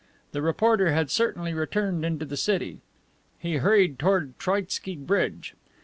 The reporter had certainly returned into the city. He hurried toward Troitski Bridge.